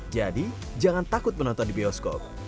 jangan takut menonton di bioskop